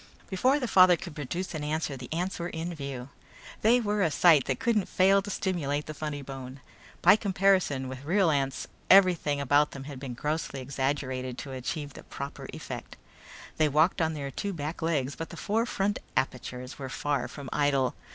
Before the father could produce an answer the ants were in view. They were a sight that couldn't fail to stimulate the funny bone. By comparison with real ants everything about them had been grossly exaggerated to achieve the proper effect. They walked on their two back legs but the four front apertures were far from idle.